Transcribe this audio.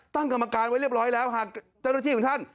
ตั้งกรรมการไว้เรียบร้อยแล้วหากเจ้าหน้าที่ของท่าน